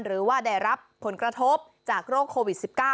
หรือว่าได้รับผลกระทบจากโรคโควิด๑๙